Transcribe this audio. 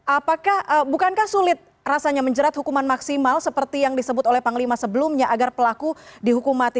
apakah bukankah sulit rasanya menjerat hukuman maksimal seperti yang disebut oleh panglima sebelumnya agar pelaku dihukum mati